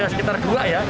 ada sekitar dua ya